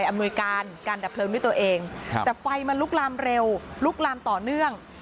มันลุกลามเร็วลุกลามต่อเนื่อง